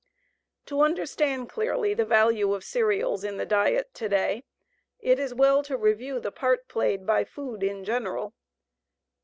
To understand clearly the value of cereals in the diet to day, it is well to review the part played by food in general.